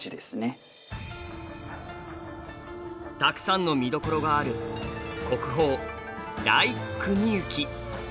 たくさんのみどころがある国宝「来国行」。